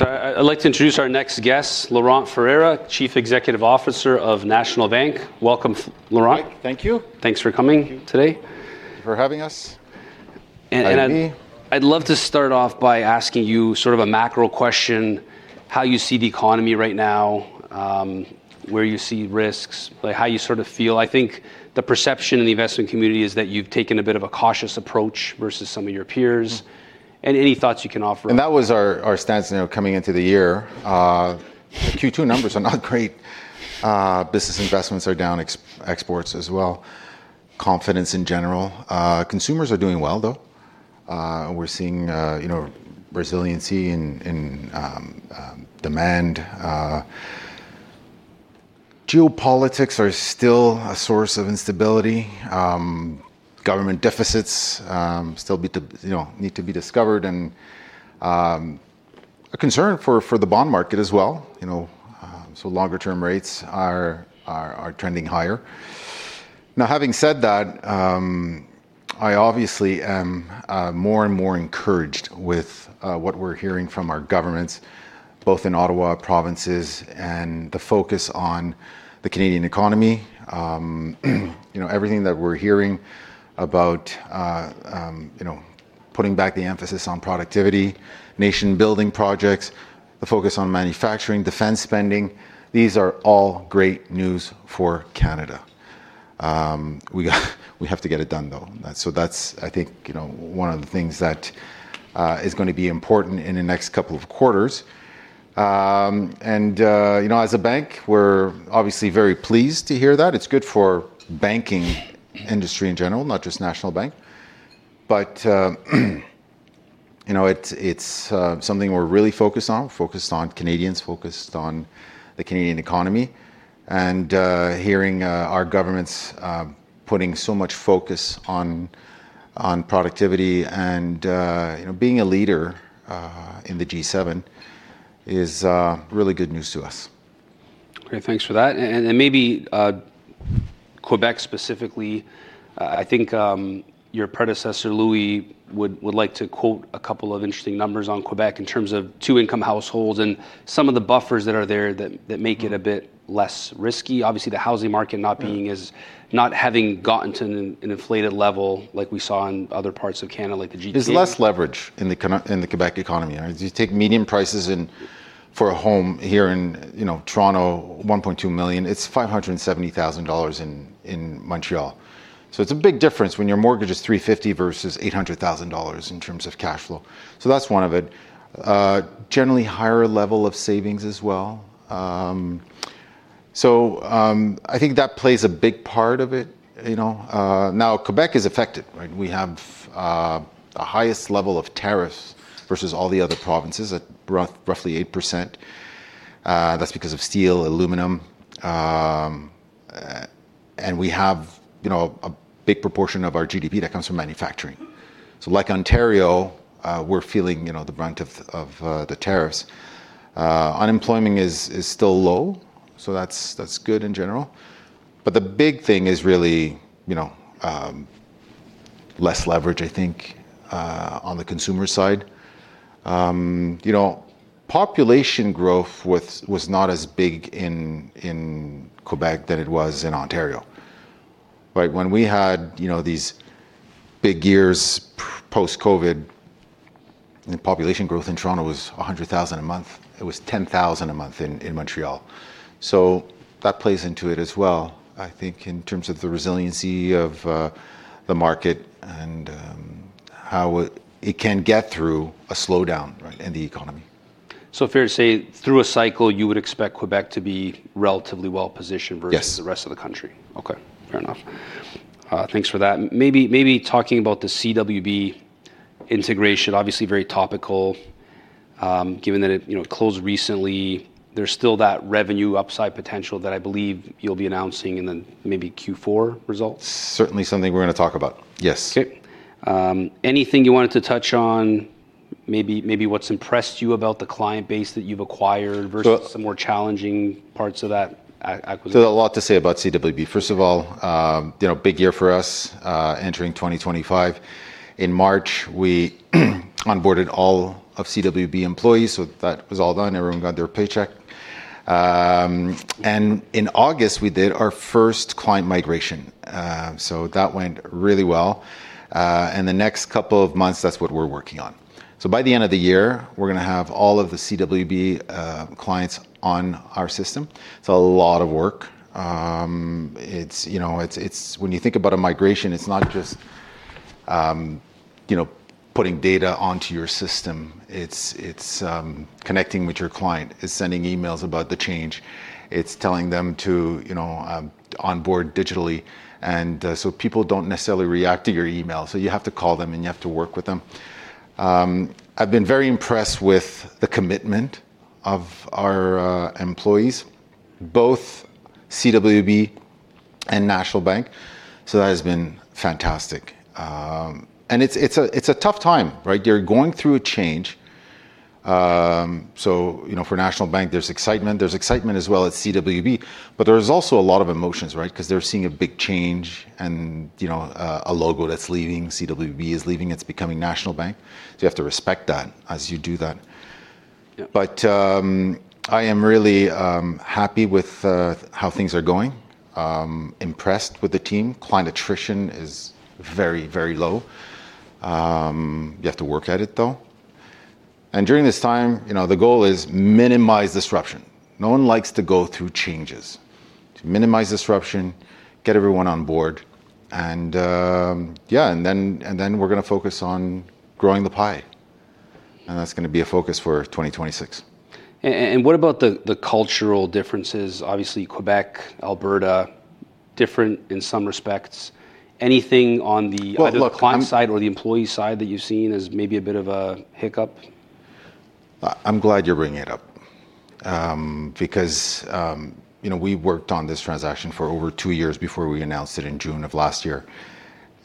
I'd like to introduce our next guest, Laurent Ferreira, Chief Executive Officer of National Bank. Welcome, Laurent. Thank you. Thanks for coming today. Thank you for having us. And I'd love to start off by asking you sort of a macro question: how you see the economy right now, where you see risks, how you sort of feel. I think the perception in the investment community is that you've taken a bit of a cautious approach versus some of your peers. And any thoughts you can offer? That was our stance coming into the year. Q2 numbers are not great. Business investments are down, exports as well. Confidence in general. Consumers are doing well, though. We're seeing resiliency in demand. Geopolitics are still a source of instability. Government deficits still need to be discovered. And a concern for the bond market as well. Longer-term rates are trending higher. Now, having said that, I obviously am more and more encouraged with what we're hearing from our governments, both in Ottawa, provinces and the focus on the Canadian economy. Everything that we're hearing about putting back the emphasis on productivity, nation-building projects, the focus on manufacturing, defense spending, these are all great news for Canada. We have to get it done, though. That's, I think, one of the things that is going to be important in the next couple of quarters. As a bank, we're obviously very pleased to hear that. It's good for the banking industry in general, not just National Bank. It's something we're really focused on, focused on Canadians, focused on the Canadian economy. Hearing our governments putting so much focus on productivity and being a leader in the G7 is really good news to us. Great. Thanks for that and maybe Quebec specifically, I think your predecessor, Louis, would like to quote a couple of interesting numbers on Quebec in terms of two-income households and some of the buffers that are there that make it a bit less risky. Obviously, the housing market not having gotten to an inflated level like we saw in other parts of Canada, like the GTA. There's less leverage in the Quebec economy. You take median prices for a home here in Toronto, 1.2 million. It's 570,000 dollars in Montreal. So it's a big difference when your mortgage is 350,000 versus 800,000 dollars in terms of cash flow, so that's one of it. Generally, higher level of savings as well, so I think that plays a big part of it. Now, Quebec is affected. We have the highest level of tariffs versus all the other provinces at roughly 8%. That's because of steel, aluminum, and we have a big proportion of our GDP that comes from manufacturing, so like Ontario, we're feeling the brunt of the tariffs. Unemployment is still low, so that's good in general, but the big thing is really less leverage, I think, on the consumer side. Population growth was not as big in Quebec than it was in Ontario. When we had these big years post-COVID, the population growth in Toronto was 100,000 a month. It was 10,000 a month in Montreal. So that plays into it as well, I think, in terms of the resiliency of the market and how it can get through a slowdown in the economy. Fair to say through a cycle, you would expect Quebec to be relatively well-positioned versus the rest of the country. Yes. Okay. Fair enough. Thanks for that. Maybe talking about the CWB integration, obviously very topical, given that it closed recently. There's still that revenue upside potential that I believe you'll be announcing in the maybe Q4 results? Certainly something we're going to talk about. Yes. Okay. Anything you wanted to touch on, maybe what's impressed you about the client base that you've acquired versus some more challenging parts of that acquisition? There's a lot to say about CWB. First of all, big year for us entering 2025. In March, we onboarded all of CWB employees, so that was all done. Everyone got their paycheck, and in August, we did our first client migration, so that went really well, and the next couple of months, that's what we're working on, so by the end of the year, we're going to have all of the CWB clients on our system. It's a lot of work. When you think about a migration, it's not just putting data onto your system. It's connecting with your client. It's sending emails about the change. It's telling them to onboard digitally, and so people don't necessarily react to your email, so you have to call them and you have to work with them. I've been very impressed with the commitment of our employees, both CWB and National Bank. So that has been fantastic. And it's a tough time. They're going through a change. So for National Bank, there's excitement. There's excitement as well at CWB. But there's also a lot of emotions because they're seeing a big change and a logo that's leaving. CWB is leaving. It's becoming National Bank. So you have to respect that as you do that. But I am really happy with how things are going, impressed with the team. Client attrition is very, very low. You have to work at it, though. And during this time, the goal is minimize disruption. No one likes to go through changes. To minimize disruption, get everyone on board. And yeah, and then we're going to focus on growing the pie. And that's going to be a focus for 2026. What about the cultural differences? Obviously, Quebec, Alberta, different in some respects. Anything on the client side or the employee side that you've seen as maybe a bit of a hiccup? I'm glad you're bringing it up because we worked on this transaction for over two years before we announced it in June of last year,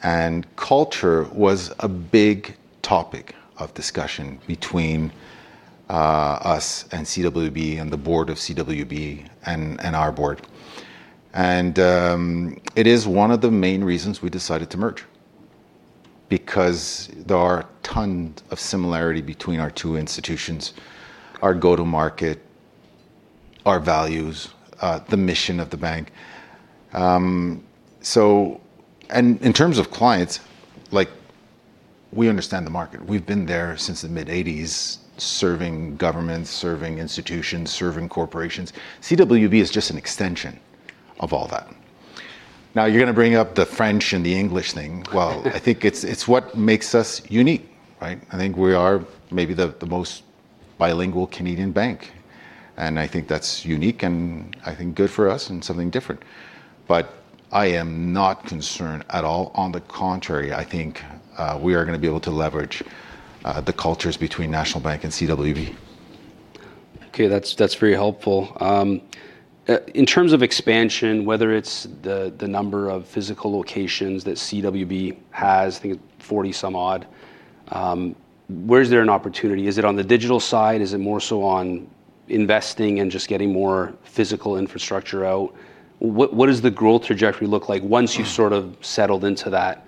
and culture was a big topic of discussion between us and CWB and the board of CWB and our board, and it is one of the main reasons we decided to merge because there are tons of similarities between our two institutions, our go-to-market, our values, the mission of the bank, and in terms of clients, we understand the market. We've been there since the mid-1980s, serving governments, serving institutions, serving corporations. CWB is just an extension of all that. Now, you're going to bring up the French and the English thing, well, I think it's what makes us unique. I think we are maybe the most bilingual Canadian bank, and I think that's unique and I think good for us and something different. But I am not concerned at all. On the contrary, I think we are going to be able to leverage the cultures between National Bank and CWB. Okay. That's very helpful. In terms of expansion, whether it's the number of physical locations that CWB has, I think it's 40-some odd, where is there an opportunity? Is it on the digital side? Is it more so on investing and just getting more physical infrastructure out? What does the growth trajectory look like once you've sort of settled into that,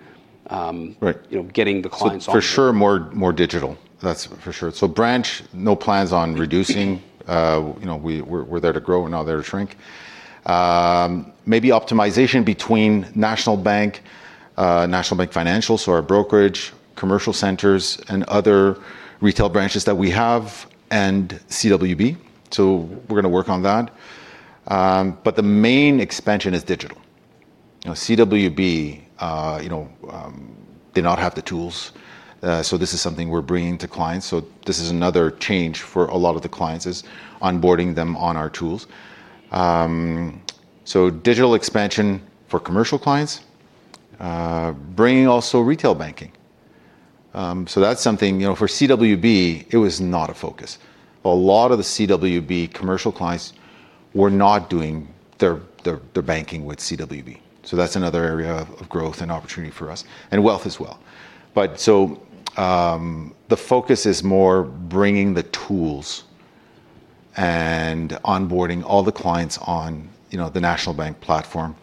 getting the clients on board? For sure, more digital. That's for sure. So, branch—no plans on reducing. We're there to grow and not there to shrink. Maybe optimization between National Bank, National Bank Financial, so our brokerage, commercial centers, and other retail branches that we have, and CWB. So we're going to work on that. But the main expansion is digital. CWB did not have the tools. So this is something we're bringing to clients. So this is another change for a lot of the clients is onboarding them on our tools. So digital expansion for commercial clients, bringing also retail banking. So that's something for CWB, it was not a focus. A lot of the CWB commercial clients were not doing their banking with CWB. So that's another area of growth and opportunity for us and wealth as well. But so the focus is more bringing the tools and onboarding all the clients on the National Bank platform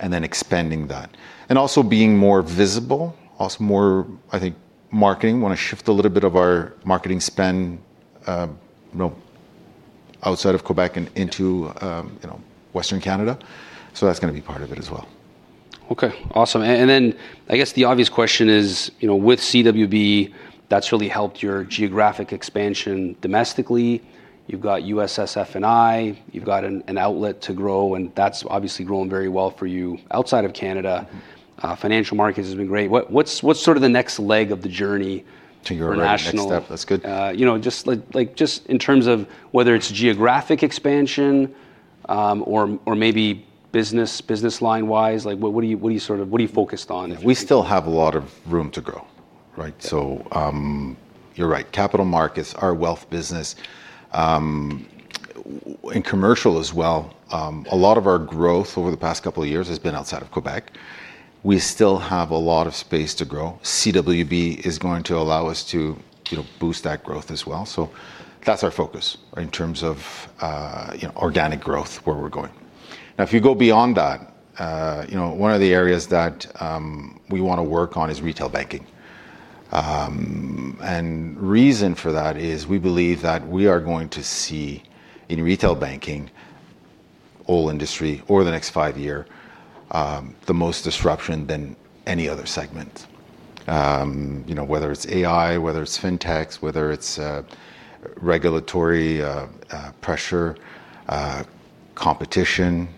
and then expanding that. And also being more visible, more, I think, marketing. We want to shift a little bit of our marketing spend outside of Quebec and into Western Canada. So that's going to be part of it as well. Okay. Awesome. And then I guess the obvious question is, with CWB, that's really helped your geographic expansion domestically. You've got US SF&I. You've got an outlet to grow. And that's obviously growing very well for you outside of Canada. Financial Markets have been great. What's sort of the next leg of the journey for National? To your next step, that's good. Just in terms of whether it's geographic expansion or maybe business line-wise, what are you focused on? We still have a lot of room to grow. So you're right. Capital markets, our wealth business, and commercial as well. A lot of our growth over the past couple of years has been outside of Quebec. We still have a lot of space to grow. CWB is going to allow us to boost that growth as well. So that's our focus in terms of organic growth where we're going. Now, if you go beyond that, one of the areas that we want to work on is retail banking. And the reason for that is we believe that we are going to see in retail banking, all industry, over the next five years, the most disruption than any other segment, whether it's AI, whether it's fintechs, whether it's regulatory pressure, competition.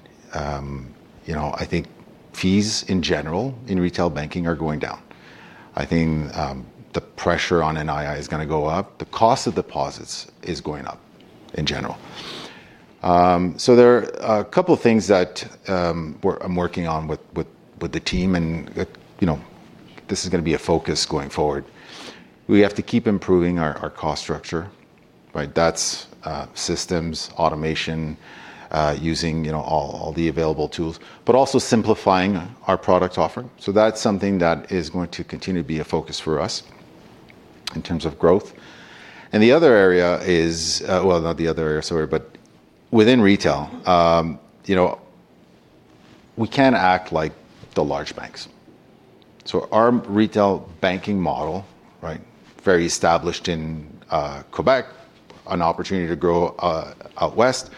I think fees in general in retail banking are going down. I think the pressure on NII is going to go up. The cost of deposits is going up in general. So there are a couple of things that I'm working on with the team, and this is going to be a focus going forward. We have to keep improving our cost structure. That's systems, automation, using all the available tools, but also simplifying our product offering. So that's something that is going to continue to be a focus for us in terms of growth, and the other area is, well, not the other area, sorry, but within retail, we can't act like the large banks, so our retail banking model, very established in Quebec, an opportunity to grow out west,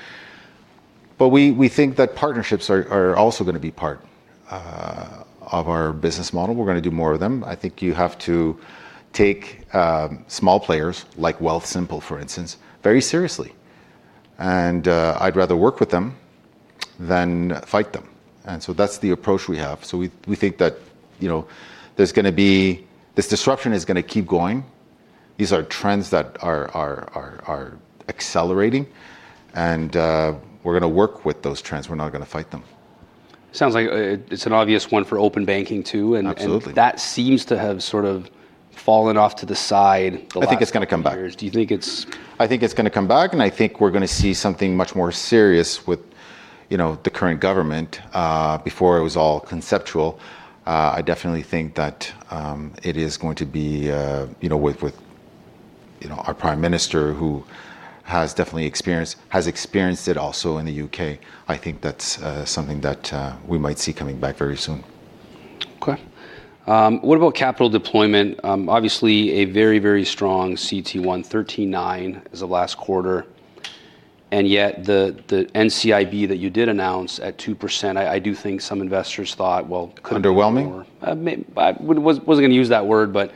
but we think that partnerships are also going to be part of our business model. We're going to do more of them. I think you have to take small players like Wealthsimple, for instance, very seriously, and I'd rather work with them than fight them, and so that's the approach we have, so we think that there's going to be this disruption is going to keep going. These are trends that are accelerating, and we're going to work with those trends. We're not going to fight them. Sounds like it's an obvious one for open banking, too. Absolutely. That seems to have sort of fallen off to the side the last few years. I think it's going to come back. Do you think it's? I think it's going to come back. And I think we're going to see something much more serious with the current government before it was all conceptual. I definitely think that it is going to be with our Prime Minister, who has definitely experienced it also in the U.K. I think that's something that we might see coming back very soon. Okay. What about capital deployment? Obviously, a very, very strong CET1, 13.9 as of last quarter. And yet the NCIB that you did announce at 2%, I do think some investors thought, well, could. Underwhelming. I wasn't going to use that word, but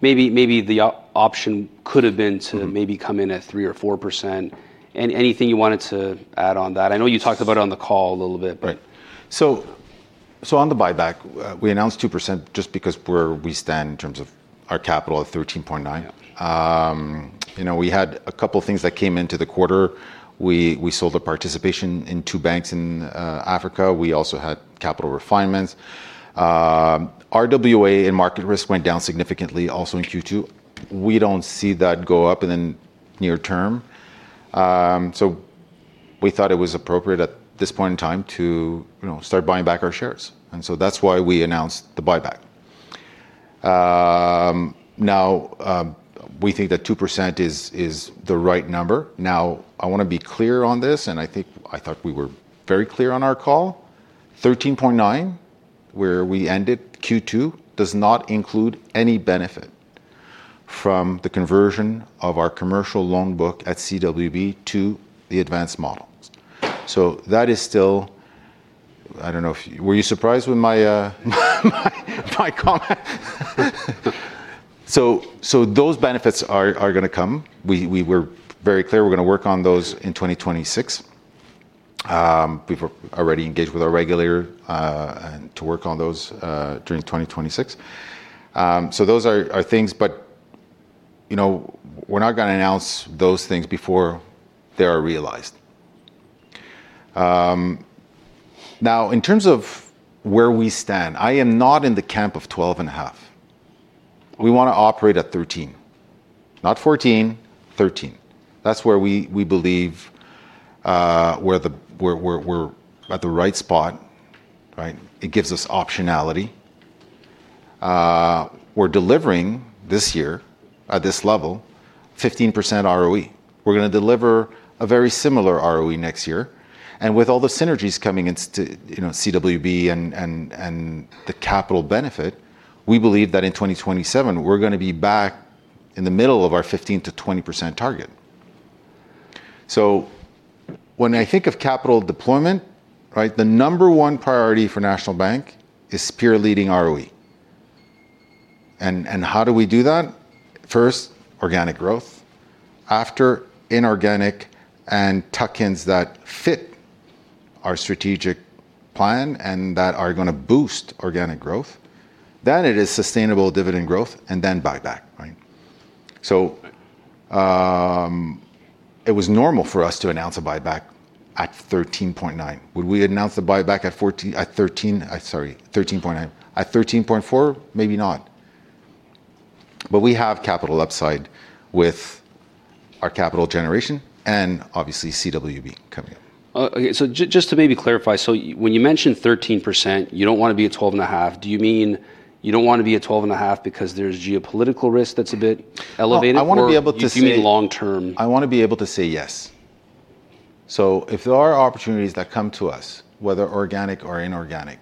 maybe the option could have been to maybe come in at 3% or 4%, and anything you wanted to add on that? I know you talked about it on the call a little bit, but. Right. So on the buyback, we announced 2% just because where we stand in terms of our capital at 13.9. We had a couple of things that came into the quarter. We sold the participation in two banks in Africa. We also had capital refinements. RWA and market risk went down significantly also in Q2. We don't see that go up in the near term. So we thought it was appropriate at this point in time to start buying back our shares. And so that's why we announced the buyback. Now, we think that 2% is the right number. Now, I want to be clear on this. And I thought we were very clear on our call. 13.9, where we ended Q2, does not include any benefit from the conversion of our commercial loan book at CWB to the advanced models. So that is still. I don't know if you were surprised with my comment? So those benefits are going to come. We were very clear we're going to work on those in 2026. We've already engaged with our regulator to work on those during 2026. So those are things. But we're not going to announce those things before they are realized. Now, in terms of where we stand, I am not in the camp of 12.5. We want to operate at 13. Not 14, 13. That's where we believe we're at the right spot. It gives us optionality. We're delivering this year at this level, 15% ROE. We're going to deliver a very similar ROE next year. And with all the synergies coming into CWB and the capital benefit, we believe that in 2027, we're going to be back in the middle of our 15%-20% target. So when I think of capital deployment, the number one priority for National Bank is peer-leading ROE. And how do we do that? First, organic growth. After, inorganic and tuck-ins that fit our strategic plan and that are going to boost organic growth. Then it is sustainable dividend growth and then buyback. So it was normal for us to announce a buyback at 13.9%. Would we announce the buyback at 13.4%, maybe not. But we have capital upside with our capital generation and obviously CWB coming up. Okay. So just to maybe clarify, so when you mentioned 13%, you don't want to be at 12.5%. Do you mean you don't want to be at 12.5% because there's geopolitical risk that's a bit elevated? I want to be able to say. You see long-term. I want to be able to say yes. So if there are opportunities that come to us, whether organic or inorganic,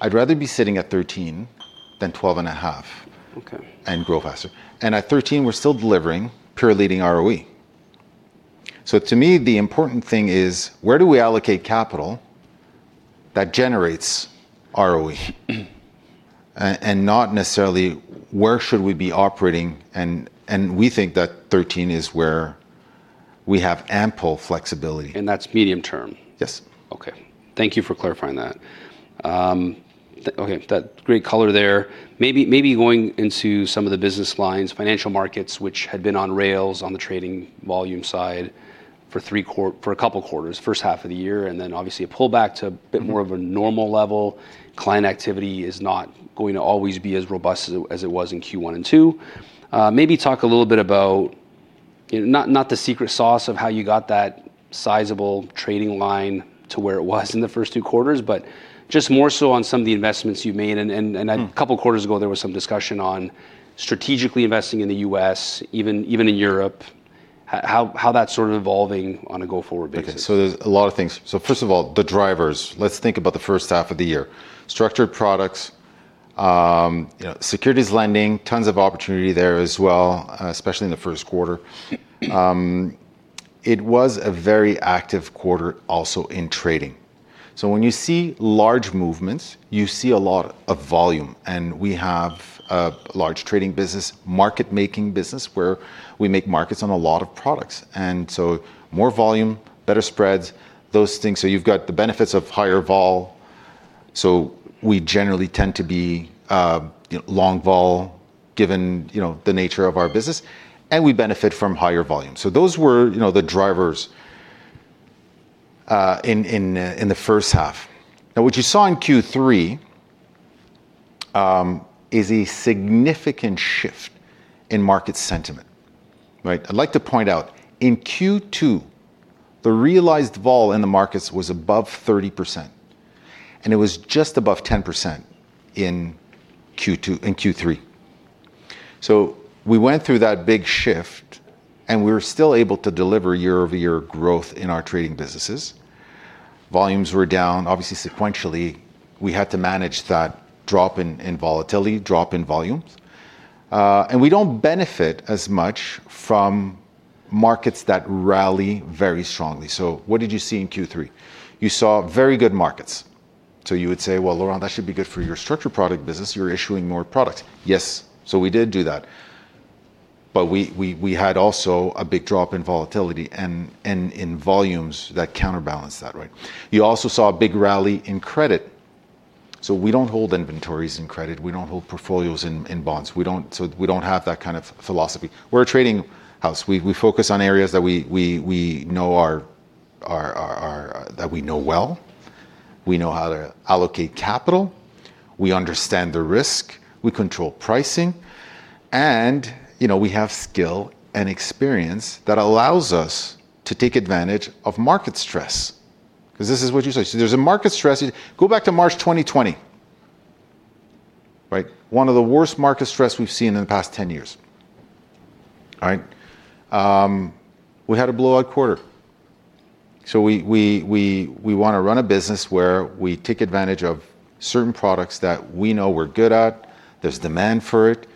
I'd rather be sitting at 13% than 12.5% and grow faster. And at 13%, we're still delivering peer-leading ROE. So to me, the important thing is where do we allocate capital that generates ROE and not necessarily where should we be operating. And we think that 13% is where we have ample flexibility. That's medium term. Yes. Okay. Thank you for clarifying that. Okay. That great color there. Maybe going into some of the business lines, Financial Markets, which had been on rails on the trading volume side for a couple of quarters, first half of the year, and then obviously a pullback to a bit more of a normal level. Client activity is not going to always be as robust as it was in Q1 and Q2. Maybe talk a little bit about not the secret sauce of how you got that sizable trading line to where it was in the first two quarters, but just more so on some of the investments you made. And a couple of quarters ago, there was some discussion on strategically investing in the U.S., even in Europe, how that's sort of evolving on a go-forward basis. Okay. So there's a lot of things. So first of all, the drivers. Let's think about the first half of the year. Structured products, securities lending, tons of opportunity there as well, especially in the first quarter. It was a very active quarter also in trading. So when you see large movements, you see a lot of volume. And we have a large trading business, market-making business, where we make markets on a lot of products. And so more volume, better spreads, those things. So you've got the benefits of higher vol. So we generally tend to be long vol given the nature of our business. And we benefit from higher volume. So those were the drivers in the first half. Now, what you saw in Q3 is a significant shift in market sentiment. I'd like to point out in Q2, the realized vol in the markets was above 30%. And it was just above 10% in Q3. So we went through that big shift. And we were still able to deliver year-over-year growth in our trading businesses. Volumes were down. Obviously, sequentially, we had to manage that drop in volatility, drop in volumes. And we don't benefit as much from markets that rally very strongly. So what did you see in Q3? You saw very good markets. So you would say, well, Laurent, that should be good for your structured product business. You're issuing more products. Yes. So we did do that. But we had also a big drop in volatility and in volumes that counterbalanced that. You also saw a big rally in credit. So we don't hold inventories in credit. We don't hold portfolios in bonds. So we don't have that kind of philosophy. We're a trading house. We focus on areas that we know well. We know how to allocate capital. We understand the risk. We control pricing. And we have skill and experience that allows us to take advantage of market stress. Because this is what you say. So there's a market stress. Go back to March 2020. One of the worst market stress we've seen in the past 10 years. We had a blowout quarter. So we want to run a business where we take advantage of certain products that we know we're good at. There's demand for it.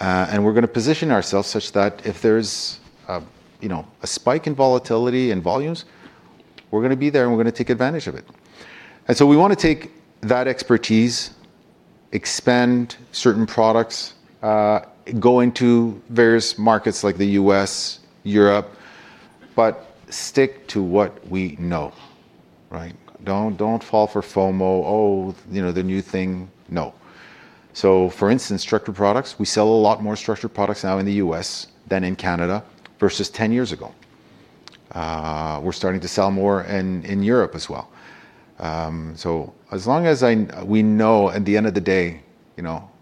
And we're going to position ourselves such that if there's a spike in volatility and volumes, we're going to be there and we're going to take advantage of it. And so we want to take that expertise, expand certain products, go into various markets like the U.S., Europe, but stick to what we know. Don't fall for FOMO. Oh, the new thing. No. So for instance, structured products, we sell a lot more structured products now in the U.S. than in Canada versus 10 years ago. We're starting to sell more in Europe as well. So as long as we know at the end of the day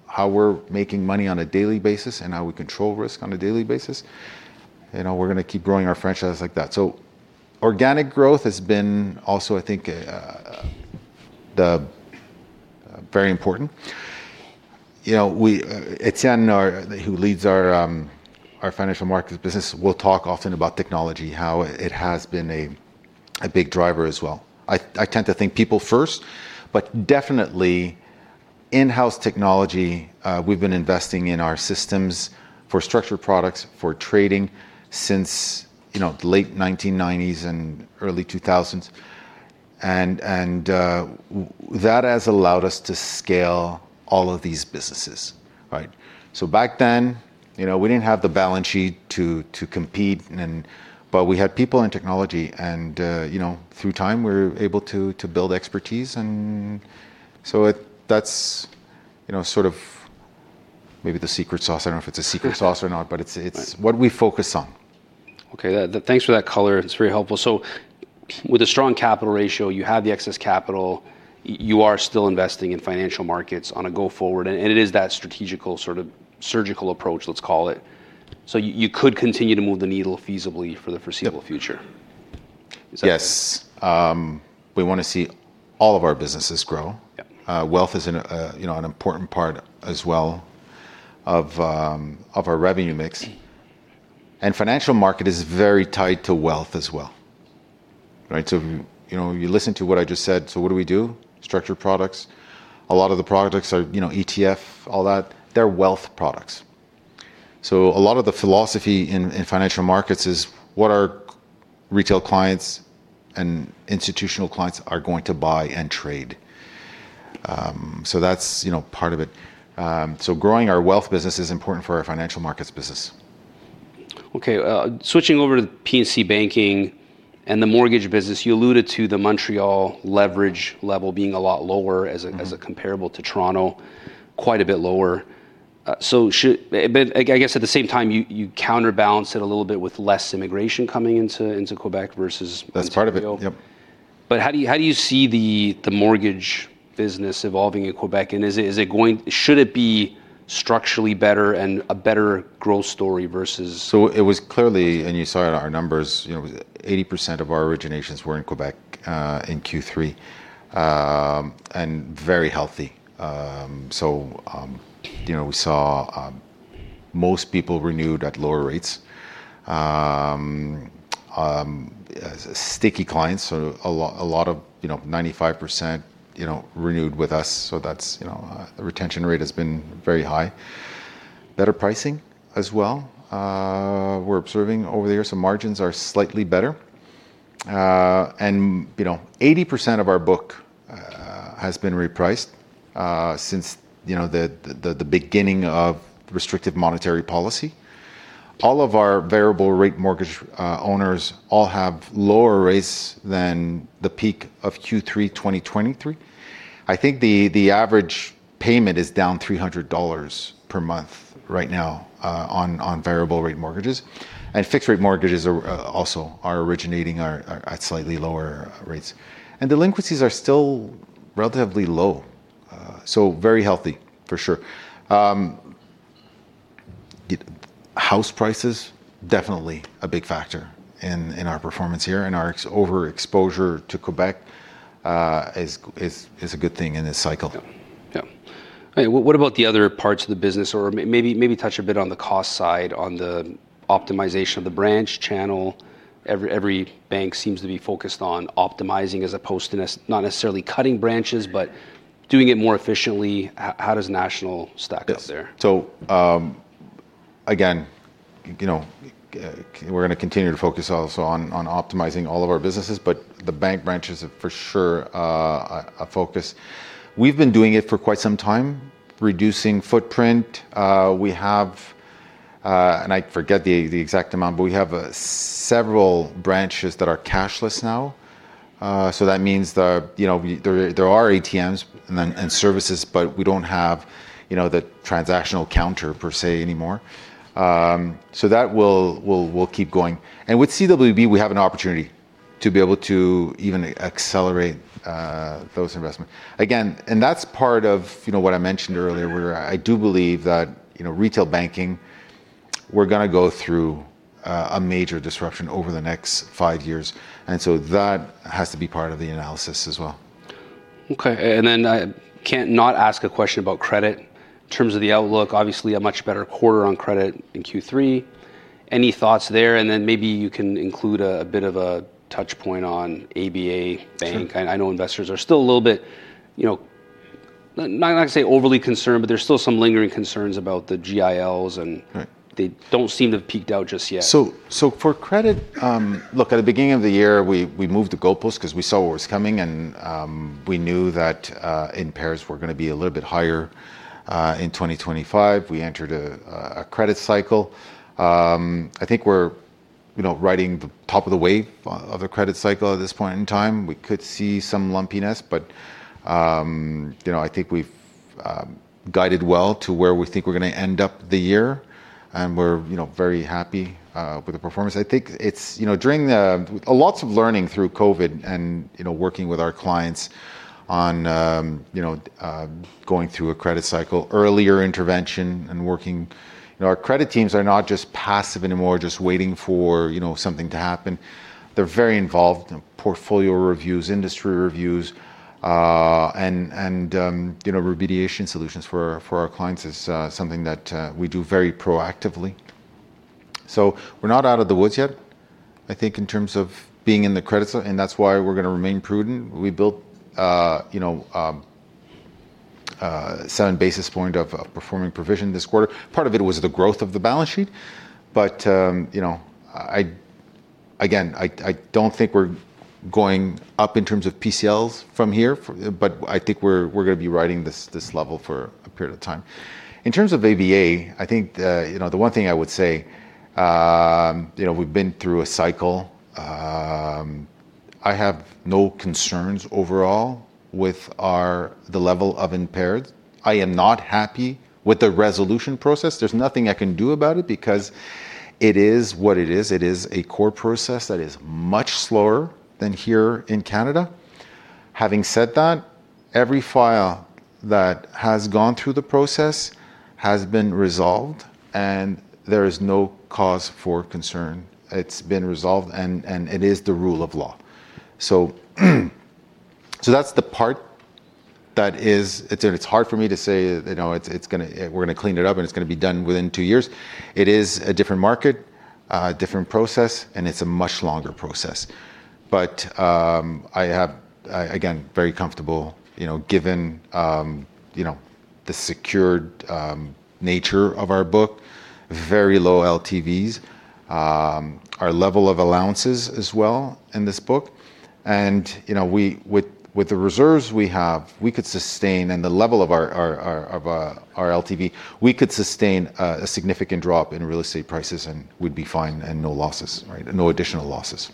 how we're making money on a daily basis and how we control risk on a daily basis, we're going to keep growing our franchises like that. So organic growth has been also, I think, very important. Étienne, who leads our Financial Markets business, will talk often about technology, how it has been a big driver as well. I tend to think people first, but definitely in-house technology, we've been investing in our systems for structured products for trading since the late 1990s and early 2000s, and that has allowed us to scale all of these businesses. Back then, we didn't have the balance sheet to compete, but we had people in technology. Through time, we're able to build expertise. That's sort of maybe the secret sauce. I don't know if it's a secret sauce or not, but it's what we focus on. Okay. Thanks for that color. It's very helpful. So with a strong capital ratio, you have the excess capital, you are still investing in financial markets on a go-forward. And it is that strategical sort of surgical approach, let's call it. So you could continue to move the needle feasibly for the foreseeable future. Yes. We want to see all of our businesses grow. Wealth is an important part as well of our revenue mix, and Financial Markets is very tied to wealth as well, so you listen to what I just said, so what do we do? Structured products. A lot of the products are ETF, all that. They're wealth products, so a lot of the philosophy in Financial Markets is what our retail clients and institutional clients are going to buy and trade, so that's part of it, so growing our wealth business is important for our Financial Markets business. Okay. Switching over to P&C Banking and the mortgage business, you alluded to the Montreal leverage level being a lot lower as a comparable to Toronto, quite a bit lower. So I guess at the same time, you counterbalance it a little bit with less immigration coming into Quebec versus Ontario. That's part of it. Yep. But how do you see the mortgage business evolving in Quebec? And should it be structurally better and a better growth story versus. It was clearly, and you saw it in our numbers, 80% of our originations were in Quebec in Q3 and very healthy. We saw most people renewed at lower rates. Sticky clients, a lot of 95% renewed with us. That's a retention rate has been very high. Better pricing as well. We're observing over the years. The margins are slightly better. And 80% of our book has been repriced since the beginning of restrictive monetary policy. All of our variable-rate mortgage owners all have lower rates than the peak of Q3 2023. I think the average payment is down 300 dollars per month right now on variable-rate mortgages. And fixed-rate mortgages also are originating at slightly lower rates. And delinquencies are still relatively low. Very healthy, for sure. House prices, definitely a big factor in our performance here. Our overexposure to Quebec is a good thing in this cycle. Yeah. What about the other parts of the business? Or maybe touch a bit on the cost side on the optimization of the branch channel. Every bank seems to be focused on optimizing as opposed to not necessarily cutting branches, but doing it more efficiently. How does National stack up there? So again, we're going to continue to focus also on optimizing all of our businesses. But the bank branches are for sure a focus. We've been doing it for quite some time, reducing footprint. And I forget the exact amount, but we have several branches that are cashless now. So that means there are ATMs and services, but we don't have the transactional counter per se anymore. So that will keep going. And with CWB, we have an opportunity to be able to even accelerate those investments. Again, and that's part of what I mentioned earlier, where I do believe that retail banking, we're going to go through a major disruption over the next five years. And so that has to be part of the analysis as well. Okay. And then I can't not ask a question about credit. In terms of the outlook, obviously a much better quarter on credit in Q3. Any thoughts there? And then maybe you can include a bit of a touchpoint on ABA Bank. I know investors are still a little bit, not to say overly concerned, but there's still some lingering concerns about the GILs. And they don't seem to have peaked out just yet. So for credit, look, at the beginning of the year, we moved to goalposts because we saw what was coming. And we knew that impairments, we're going to be a little bit higher in 2025. We entered a credit cycle. I think we're riding the top of the wave of the credit cycle at this point in time. We could see some lumpiness, but I think we've guided well to where we think we're going to end up the year. And we're very happy with the performance. I think it's during lots of learning through COVID and working with our clients on going through a credit cycle, earlier intervention and working. Our credit teams are not just passive anymore, just waiting for something to happen. They're very involved in portfolio reviews, industry reviews, and remediation solutions for our clients is something that we do very proactively. So we're not out of the woods yet, I think, in terms of being in the credit cycle. And that's why we're going to remain prudent. We built a seven basis point performing provision this quarter. Part of it was the growth of the balance sheet. But again, I don't think we're going up in terms of PCLs from here, but I think we're going to be riding this level for a period of time. In terms of ABA, I think the one thing I would say, we've been through a cycle. I have no concerns overall with the level of impaired. I am not happy with the resolution process. There's nothing I can do about it because it is what it is. It is a core process that is much slower than here in Canada. Having said that, every file that has gone through the process has been resolved. There is no cause for concern. It's been resolved. It is the rule of law. That's the part that is, it's hard for me to say we're going to clean it up and it's going to be done within two years. It is a different market, a different process, and it's a much longer process. I have, again, very comfortable given the secured nature of our book, very low LTVs, our level of allowances as well in this book. With the reserves we have, we could sustain, and the level of our LTV, we could sustain a significant drop in real estate prices and would be fine and no losses, no additional losses.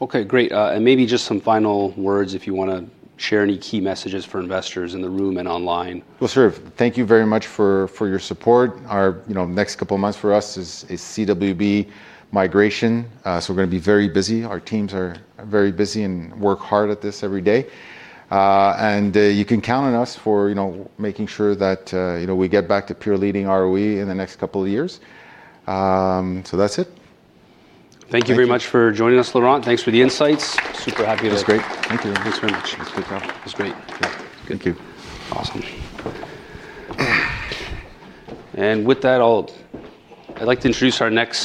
Okay. Great. And maybe just some final words if you want to share any key messages for investors in the room and online. Sure, thank you very much for your support. Our next couple of months for us is CWB migration. We're going to be very busy. Our teams are very busy and work hard at this every day. You can count on us for making sure that we get back to peer-leading ROE in the next couple of years. That's it. Thank you very much for joining us, Laurent. Thanks for the insights. Super happy to. It was great. Thank you. Thanks very much. It was great. Thank you. Awesome. With that, I'd like to introduce our next.